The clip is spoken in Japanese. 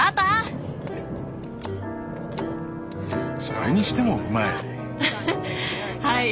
それにしてもうまい。